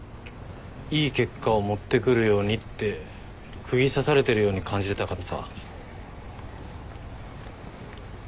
いい結果を持ってくるようにって釘刺されてるように感じてたからさ。